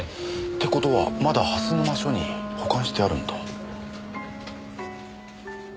って事はまだ蓮沼署に保管してあるんだ。